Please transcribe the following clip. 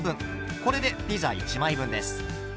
これでピザ１枚分です。